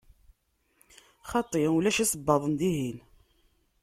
Xaṭi, ulac isebbaḍen dihin.